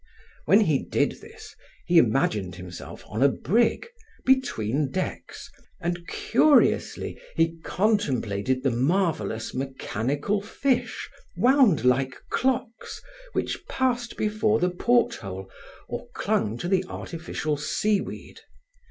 When he did this, he imagined himself on a brig, between decks, and curiously he contemplated the marvelous, mechanical fish, wound like clocks, which passed before the porthole or clung to the artificial sea weed.